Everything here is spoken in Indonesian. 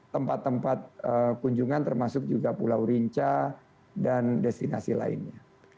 tempat tempat kunjungan termasuk juga pulau rinca dan destinasi lainnya